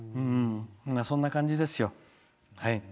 そんな感じですよ。